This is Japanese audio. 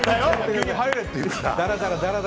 急に入れって言うから。